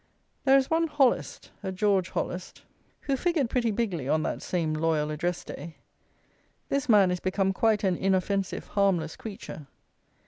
There is one Hollest, a George Hollest, who figured pretty bigly on that same loyal address day. This man is become quite an inoffensive harmless creature.